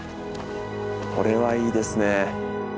これはいいですね。